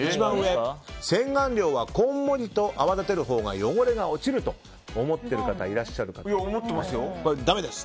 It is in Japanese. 洗顔料はこんもりと泡立てるほうが汚れが落ちると思っている方、いらっしゃるかと思いますがダメです。